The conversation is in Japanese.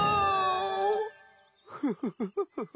フフフフフフフ。